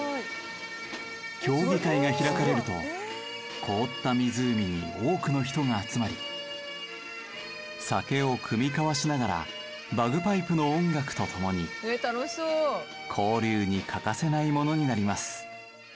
競技会が開かれると凍った湖に多くの人が集まり酒を酌み交わしながらバグパイプの音楽とともに交流に欠かせないものになります。